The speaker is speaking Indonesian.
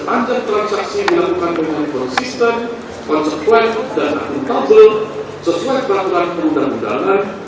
bahwa dalam transaksi lindung nilai terdapat konsekuensi biaya dan sepanjang transaksi dilakukan dengan konsisten konsekuensi dan akuntabel sesuai kemampuan perundang undangan